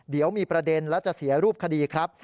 เดี๋ยวมีประเด็นและจะเสียรูปคดีครับ